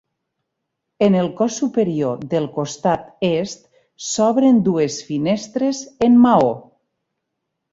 En el cos superior del costat est s'obren dues finestres en maó.